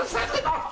あっ！